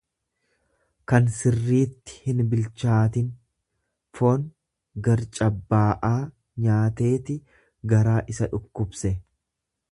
kan Sirriitti hinbilchaatin; Foon garcabbaa'aa nyaateeti garaa isa dhukkubse.